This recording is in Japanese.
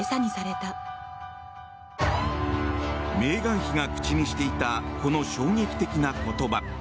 メーガン妃が口にしていたこの衝撃的な言葉。